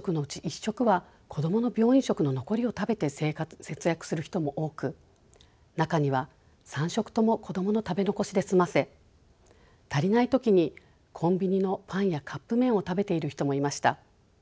１食は子どもの病院食の残りを食べて節約する人も多く中には３食とも子どもの食べ残しで済ませ足りない時にコンビニのパンやカップ麺を食べている人もいました。